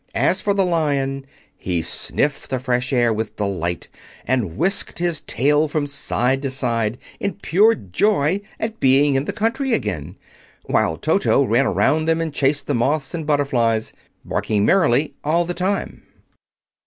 As for the Lion, he sniffed the fresh air with delight and whisked his tail from side to side in pure joy at being in the country again, while Toto ran around them and chased the moths and butterflies, barking merrily all the time.